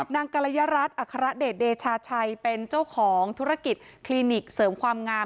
กรยรัฐอัครเดชเดชาชัยเป็นเจ้าของธุรกิจคลินิกเสริมความงาม